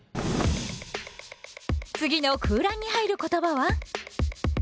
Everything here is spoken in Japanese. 次の空欄に入る言葉は？